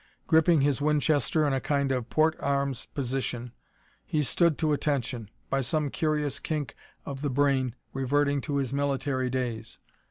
Gripping his Winchester in a kind of "port arms" position, he stood to attention by some curious kink of the brain reverting to his military days.